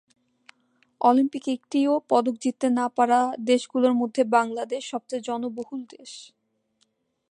অলিম্পিকে একটিও পদক জিততে না পারা দেশগুলোর মধ্যে বাংলাদেশ সবচেয়ে জনবহুল দেশ।